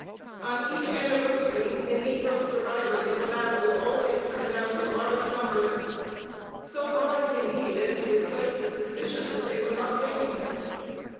On each anniversary the negro survivors of the battle always turned out in large numbers so large, indeed, as to excite the suspicion that they were not genuine.